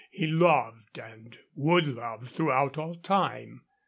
he loved and would love throughout all time.